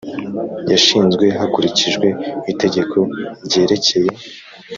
yashinzwe hakurikijwe Itegeko ryerekeye